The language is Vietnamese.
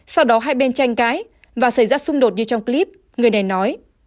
sau đó hai bên tranh cãi và xảy ra xung đột như trong clip người này nói